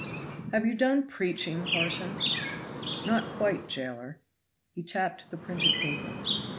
"Have you done preaching, parson?" "Not quite, jailer." He tapped the printed paper.